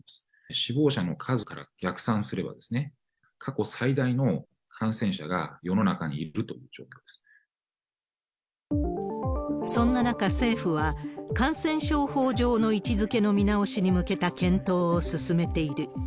死亡者の数から逆算すれば、過去最大の感染者が世の中にいるといそんな中、政府は感染症法上の位置づけの見直しに向けた検討を進めている。